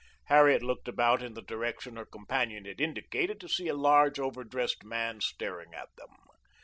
Harriet looked about in the direction her companion had indicated, to see a large, overdressed man staring at them.